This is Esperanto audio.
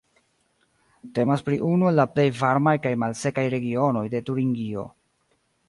Temas pri unu el la plej varmaj kaj malsekaj regionoj de Turingio.